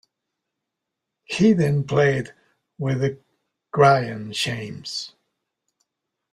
He then played with The Cryan' Shames.